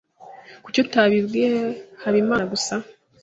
Kuki utabibwiye habimana gusa?